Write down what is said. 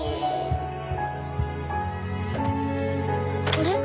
あれ？